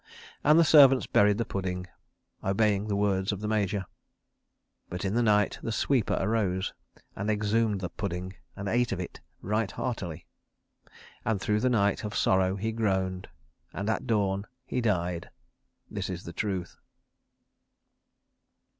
And the servants buried the Pudding, obeying the words of the Major. But in the night the Sweeper arose and exhumed the Pudding and ate of it right heartily. And through the night of sorrow he groaned. And at dawn he died. This is the truth.